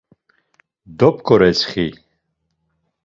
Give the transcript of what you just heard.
Dop̌ǩoretsxi.